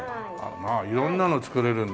色んなの作れるんだ。